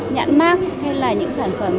nhãn mát hay là những sản phẩm